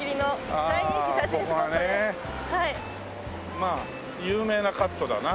まあ有名なカットだな。